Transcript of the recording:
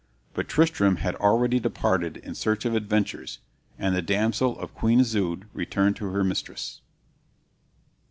But Tristram had already departed in search of adventures, and the damsel of Queen Isoude returned to her mistress.